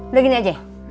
udah gini aja